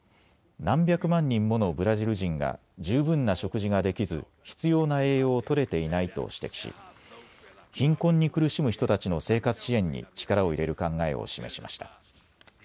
何百万人ものブラジル人が十分な食事ができず必要な栄養をとれていないと指摘し貧困に苦しむ人たちの生活支援に力を入れる考えを示しました。